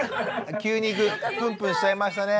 急にプンプンしちゃいましたね。